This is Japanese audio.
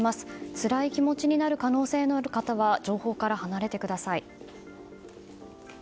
つらい気持ちになる可能性のある方は情報から離れてください。